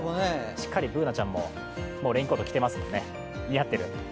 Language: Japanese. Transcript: しっかりＢｏｏｎａちゃんもレインコート着てますね、似合ってる。